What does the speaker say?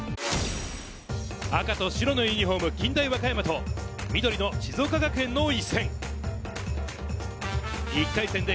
赤と白のユニホーム、近大和歌山と緑の静岡学園の一戦。